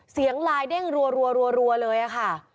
เสียงลายเด้งรัวเลยค่ะ